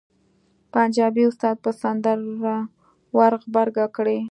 پنجابي استاد به سندره ور غبرګه کړي.